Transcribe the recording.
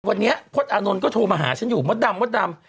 วันนี้พลตอานนท์ก็โทรมาหาฉันอยู่มดดำมดดำ